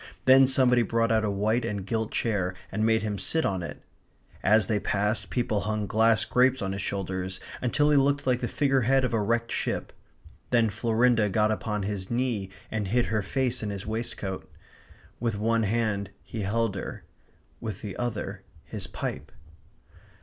Then somebody brought out a white and gilt chair and made him sit on it. As they passed, people hung glass grapes on his shoulders, until he looked like the figure head of a wrecked ship. Then Florinda got upon his knee and hid her face in his waistcoat. With one hand he held her; with the other, his pipe.